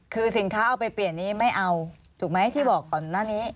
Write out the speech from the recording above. คือสินค้าเอาไปเปลี่ยนนี้ไม่เอาถูกไหมที่บอกก่อนหน้านี้